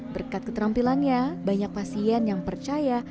berkat keterampilannya banyak pasien yang percaya